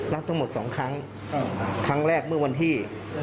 รับทั้งหมดสองครั้งครั้งแรกเมื่อวันที่